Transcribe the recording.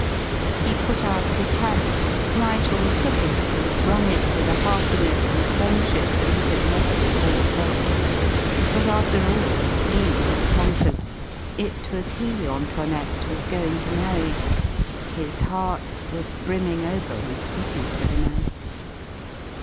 He put out his hand, Nigel took it, and wrung it with a heartiness and friendship that he had never before felt; but after all he had conquered! It was he Antoinette was going to marry. His heart was brimming over with pity for the man.